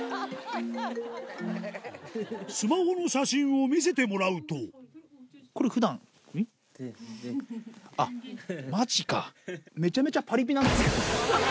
スマホの写真を見せてもらうとめちゃめちゃパリピなんですけど。